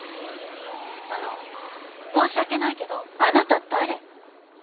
あの申し訳ないけどあなた誰？